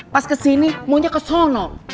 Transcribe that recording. pas kesini maunya kesono